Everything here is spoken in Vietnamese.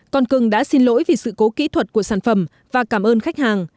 con cưng đã xin lỗi vì sự cố kỹ thuật của sản phẩm và cảm ơn khách hàng